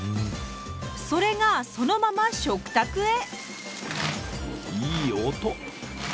それがそのまま食卓へ！